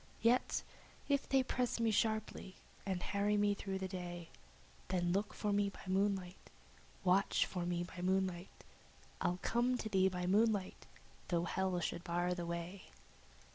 Yet if they press me sharply, and harry me through the day, Then look for me by moonlight, Watch for me by moonlight, I'll come to thee by moonlight, though hell should bar the way."